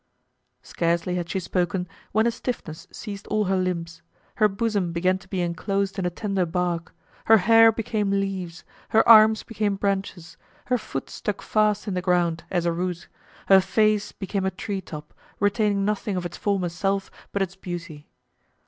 Scarcely had she spoken, when a stiffness seized all her limbs; her bosom began to be enclosed in a tender bark; her hair became leaves; her arms became branches; her foot stuck fast in the ground, as a root; her face, became a tree top, retaining nothing of its former self but its beauty.